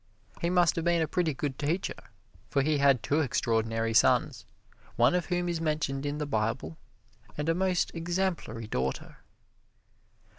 He must have been a pretty good teacher, for he had two extraordinary sons, one of whom is mentioned in the Bible, and a most exemplary daughter.